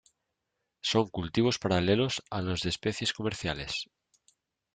Son cultivos paralelos a los de especies comerciales.